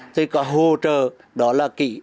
thì có hỗ trợ cho gia đình ông thu nhập từ hai đến ba tỷ đồng